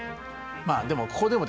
まあでもここでもですね